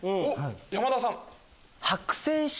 山田さん。